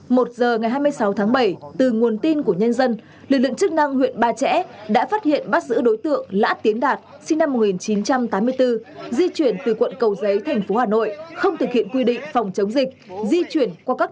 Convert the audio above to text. một h ngày hai mươi sáu tháng bảy từ nguồn tin của nhân dân lực lượng chức năng huyện ba trẻ đã phát hiện bắt giữ đối tượng lã tiến đạt